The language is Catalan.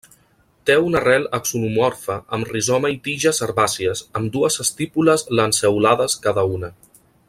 Té una arrel axonomorfa amb rizoma i tiges herbàcies amb dues estípules lanceolades cada una.